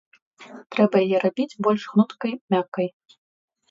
Трэба яе рабіць больш гнуткай, мяккай.